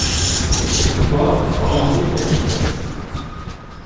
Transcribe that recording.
Ce couloir est orienté est-ouest.